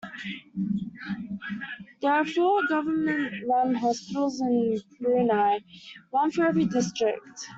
There are four government-run hospitals in Brunei, one for every district.